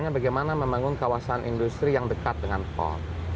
bagaimana membangun kawasan industri yang dekat dengan pol